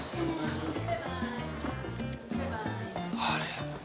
あれ？